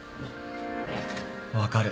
分かる。